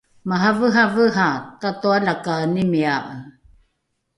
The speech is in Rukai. maraveravera tatoalakaenimia’e!